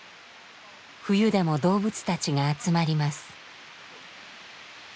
冬でも動物たちが集まります。